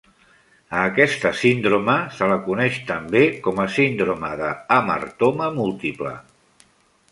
A aquesta síndrome se la coneix també com a síndrome de hamartoma múltiple.